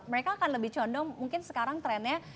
mereka akan lebih condong mungkin sekarang trendnya